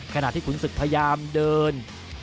ขณะที่ขุนศึกพยายามเดิน